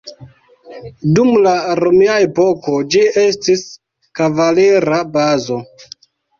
Dum la romia epoko, ĝi estis kavalira bazo.